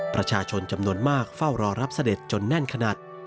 ประชาชนจำนวนมากเฝ้ารอรับเสด็จจนแน่นขนาด